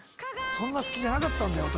そんな好きじゃなかったんだよ